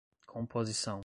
composição